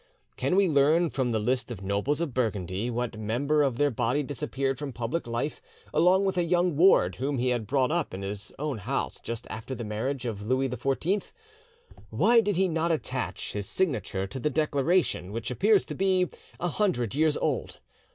Can we learn from the list of the nobles of Burgundy what member of their body disappeared from public life along with a young ward whom he had brought up in his own house just after the marriage of Louis XIV? Why did he not attach his signature to the declaration, which appears to be a hundred years old?